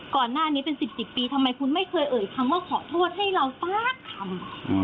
ก่อนหน้านี้เป็น๑๐ปีทำไมคุณไม่เคยเอ่ยคำว่าขอโทษให้เราสักคำ